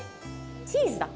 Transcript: チーズだ。